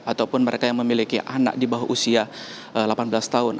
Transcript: ataupun mereka yang memiliki anak di bawah usia delapan belas tahun